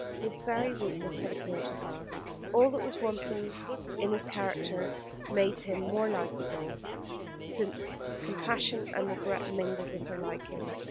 His very weakness had appealed to her. All that was wanting in his character made him more likable, since compassion and regret mingled with her liking.